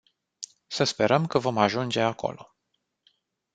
Să sperăm că vom ajunge acolo.